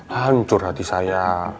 hancur hati saya